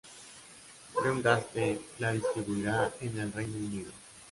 Lionsgate la distribuirá en el Reino Unido.